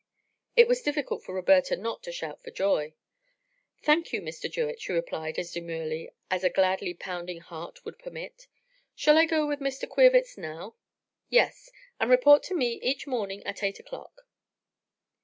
It was difficult for Roberta not to shout for joy. "Thank you, Mr. Jewett," she replied as demurely as a gladly pounding heart would permit. "Shall I go with Mr. Queerwitz now?" "Yes, and report to me each morning at eight o'clock."